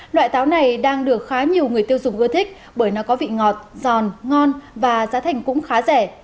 loại táo này đang được khá nhiều người tiêu dùng ưa thích bởi nó có vị ngọt giòn ngon và giá thành cũng khá rẻ